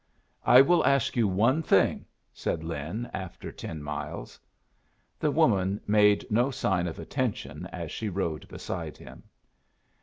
"I will ask you one thing," said Lin, after ten miles. The woman made no sign of attention as she rode beside him.